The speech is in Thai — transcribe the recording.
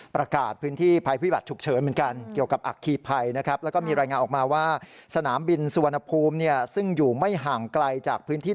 ประกาศพื้นที่ภัยภีรบาสฉุกเชิญเหมือนกันเกี่ยวกับอ่างคีพภัยนะครับ